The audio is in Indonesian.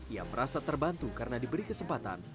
ia merasa terbantu karena diberi kesempatan